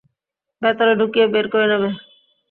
ভেতরে ঢুকিয়ে বের করে নেবে।